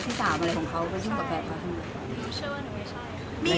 ถ้าจะถามว่ากินข้าวการอยู่หลังคุณก็มี